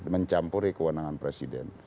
mencampuri kewenangan presiden